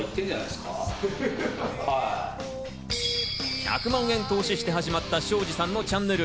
１００万円投資して始まった庄司さんのチャンネル。